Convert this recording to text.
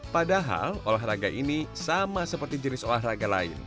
padahal olahraga ini sama seperti jenis olahraga lain